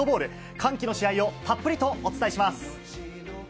歓喜の試合をたっぷりとお伝えします。